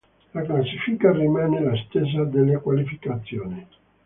La classifica rimane la stessa delle qualificazioni.